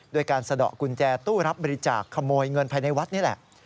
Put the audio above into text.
ด้วยการสะดอกกุญแจตู้รับบริจาคขโมยเงินภายในวัดนี่แหละ